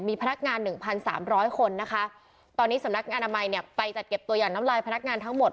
มีพนักงาน๑๓๐๐คนนะคะตอนนี้สำนักงานอำมัยไปจัดเก็บตัวอย่างน้ำลายพนักงานทั้งหมด